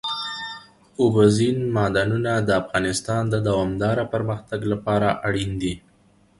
اوبزین معدنونه د افغانستان د دوامداره پرمختګ لپاره اړین دي.